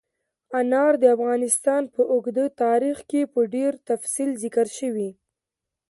انار د افغانستان په اوږده تاریخ کې په ډېر تفصیل ذکر شوي.